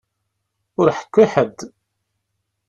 Ur ḥekku i ḥedd!